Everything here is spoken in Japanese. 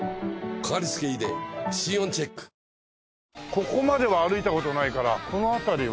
ここまでは歩いた事ないからこの辺りは。